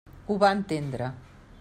Ho va entendre.